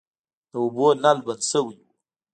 د اوبو نل بند شوی و.